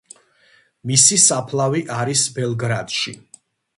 მისი საფლავი არის ბელგრადში.